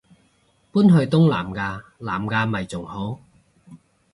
搬去東南亞南亞咪仲好